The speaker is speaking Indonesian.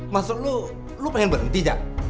maksud lo lo pengen berhenti gak